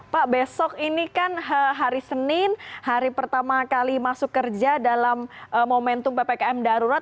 pak besok ini kan hari senin hari pertama kali masuk kerja dalam momentum ppkm darurat